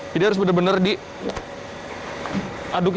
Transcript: jadi harus benar benar diaduk